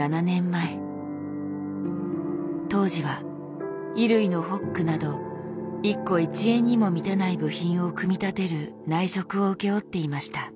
当時は衣類のホックなど１個１円にも満たない部品を組み立てる内職を請け負っていました。